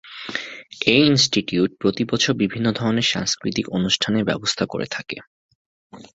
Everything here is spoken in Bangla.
এই ইনস্টিটিউট প্রতি বছর বিভিন্ন ধরনের সাংস্কৃতিক অনুষ্ঠানের ব্যবস্থা করে থাকে।